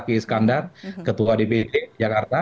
pak iskandar ketua dpd jakarta